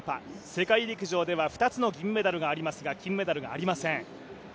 世界陸上では２つの銀メダルがありますが金メダルがありません。